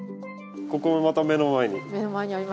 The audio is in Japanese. ここもまた目の前に。